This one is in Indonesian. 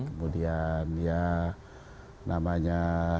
kemudian ya namanya